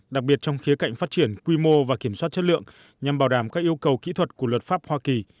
đặc biệt trong khía cạnh phát triển quy mô và kiểm soát chất lượng nhằm bảo đảm các yêu cầu kỹ thuật của luật pháp hoa kỳ